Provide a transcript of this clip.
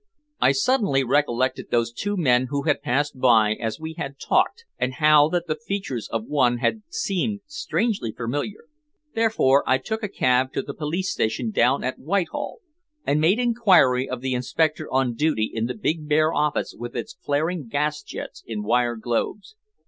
I suddenly recollected those two men who had passed by as we had talked, and how that the features of one had seemed strangely familiar. Therefore I took a cab to the police station down at Whitehall, and made inquiry of the inspector on duty in the big bare office with its flaring gas jets in wire globes.